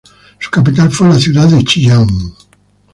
Su capital fue la ciudad de Chillán.